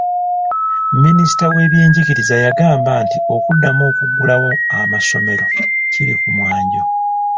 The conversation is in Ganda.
Minisita w'ebyenjigiriza yagamba nti okuddamu okuggulawo amasomero kiri ku mwanjo.